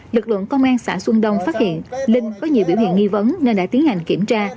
lực lượng công an xã xuân đông phát hiện linh có nhiều biểu hiện nghi vấn nên đã tiến hành kiểm tra